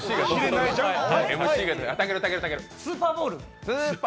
スーパーボール。